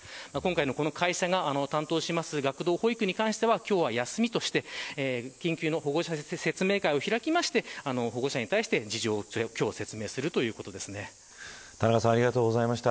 今回の会社が担当する学童保育に対しては今日は休みとして緊急の保護者説明会を開きまして保護者に対して事情を田中さんありがとうございました。